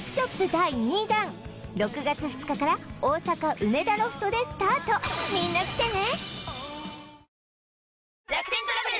第２弾６月２日から大阪・梅田ロフトでスタートみんな来てね